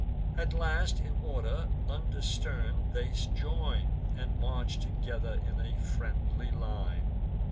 At last, in order, undiscern'd they join, And march together in a friendly line.